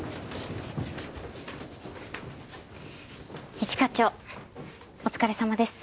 一課長お疲れさまです。